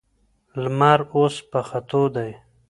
لمر اوس په ختو دی.